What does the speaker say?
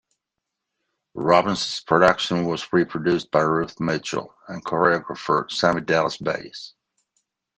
Robbins' production was reproduced by Ruth Mitchell and choreographer Sammy Dallas Bayes.